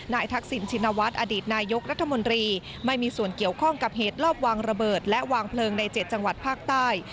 ทักษิณชินวัฒน์อดีตนายกรัฐมนตรีไม่มีส่วนเกี่ยวข้องกับเหตุรอบวางระเบิดและวางเพลิงใน๗จังหวัดภาคใต้